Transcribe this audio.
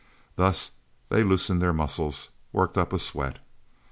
Thus they loosened their muscles, worked up a sweat.